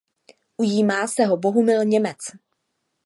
Ujímá se ho Bohumil Němec.